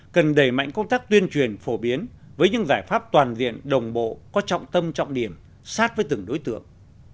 cần đẩy mạnh công tác tuyên truyền phổ biến với những giải pháp toàn diện đồng bộ có trọng tâm trọng điểm sát với từng đối tượng